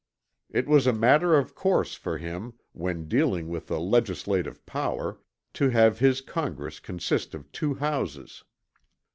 It was a matter of course for him, when dealing with the legislative power, to have his Congress consist of two houses.